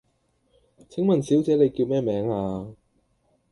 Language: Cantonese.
請問小姐你叫咩名呀?